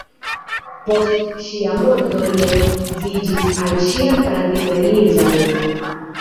Post ŝia morto li edziĝis al ŝia fratino Elizabeth.